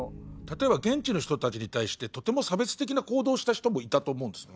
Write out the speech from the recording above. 例えば現地の人たちに対してとても差別的な行動をした人もいたと思うんです。